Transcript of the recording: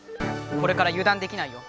これからゆだんできないよ。